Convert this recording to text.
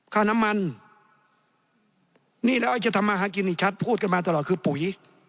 ค่าน้ำมันนี่แล้วไอ้จะทำมาหากินอีกชัดพูดกันมาตลอดคือปุ๋ย